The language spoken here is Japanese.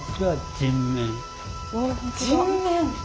人面。